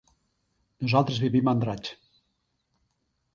Nosaltres vivim a Andratx.